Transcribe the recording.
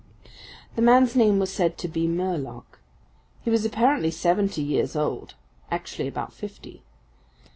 The man's name was said to be Murlock. He was apparently seventy years old, actually about fifty.